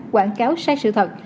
quảng cáo sai sự thật